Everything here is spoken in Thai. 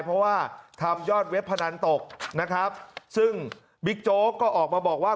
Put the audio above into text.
เพราะว่าทำยอดเว็บพนันตกนะครับซึ่งบิ๊กโจ๊กก็ออกมาบอกว่า